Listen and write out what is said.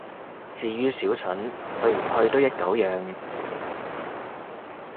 至於小陳，去唔去都一狗樣